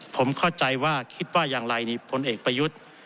ผมเข้าใจว่าคิดว่าอย่างไรนี่พลเอกประยุทธ์